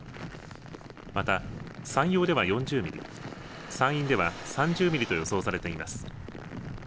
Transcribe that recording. また、山陽では４０ミリ山陰では３０ミリと予想されています。